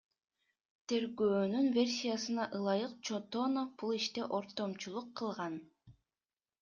Тергөөнүн версиясына ылайык, Чотонов бул иште ортомчулук кылган.